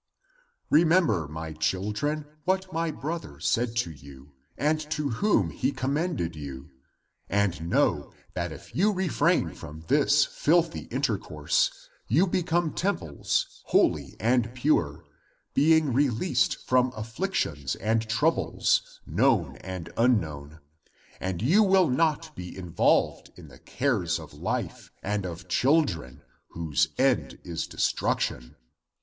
Remember, my children, what my brother said to you, and to whom he commended you; and know, that if you refrain from this filthy intercourse you become temples holy and pure, being released from afflictions and troubles, known and unknown, and you will not be involved in the cares of life, and of children, whose end is destruction.